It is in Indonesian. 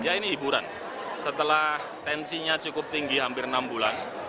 ya ini hiburan setelah tensinya cukup tinggi hampir enam bulan